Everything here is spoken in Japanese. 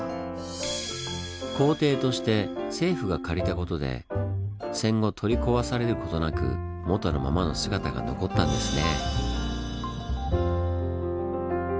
公邸として政府が借りたことで戦後取り壊されることなく元のままの姿が残ったんですね。